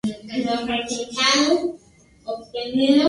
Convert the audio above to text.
Fue muy criticado.